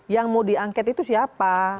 yang mau diangket itu siapa